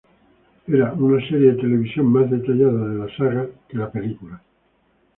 Era una serie de televisión más detallada de la saga de la película.